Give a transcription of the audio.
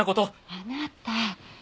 あなた。